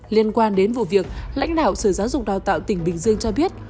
liên quan đến vụ việc lãnh đạo sở giáo dục đào tạo tỉnh bình dương cho biết